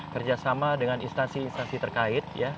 kerjasama dengan instansi instansi terkait